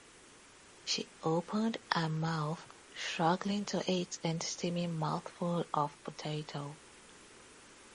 She opened her mouth, struggling to eat the steaming mouthful of potato.